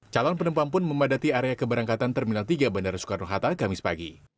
calon penumpang pun memadati area keberangkatan terminal tiga bandara soekarno hatta kamis pagi